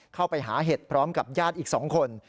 เข้าไปหาเห็ดพร้อมกับญาติอีก๒คน